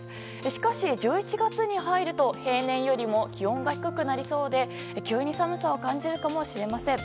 しかし、１１月に入ると平年よりも気温が低くなりそうで急に寒さを感じるかもしれません。